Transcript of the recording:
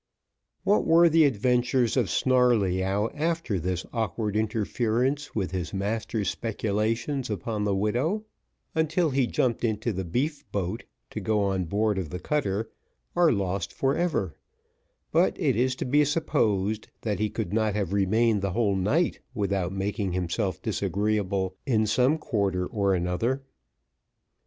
What were the adventures of Snarleyyow after this awkward interfence with his master's speculations upon the widow, until he jumped into the beef boat to go on board of the cutter, are lost for ever; but it is to be supposed that he could not have remained the whole night without making himself disagreeable in some quarter or another.